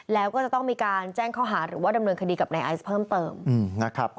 แล้วก็จะต้องมีการแจ้งข้อหาหรือว่าดำเนินคดีกับนายไอซ์เพิ่มเติมนะครับ